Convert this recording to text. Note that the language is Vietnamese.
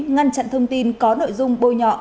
ngăn chặn thông tin có nội dung bôi nhọ